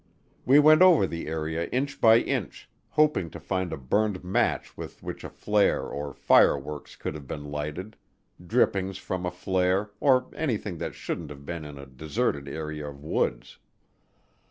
We went over the area inch by inch, hoping to find a burned match with which a flare or fireworks could have been lighted, drippings from a flare, or anything that shouldn't have been in a deserted area of woods.